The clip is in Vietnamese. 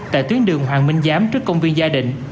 tại tuyến đường hoàng minh giám trước công viên gia đình